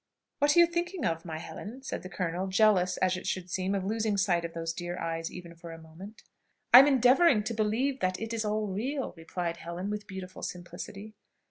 "What are you thinking of, my Helen?" said the colonel, jealous, as it should seem, of losing sight of those dear eyes, even for a moment. "I am endeavouring to believe that it is all real," replied Helen with beautiful simplicity.